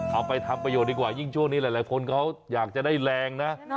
เอาไปทำประโยชน์ดีกว่ายิ่งช่วงนี้หลายคนเขาอยากจะได้แรงนะ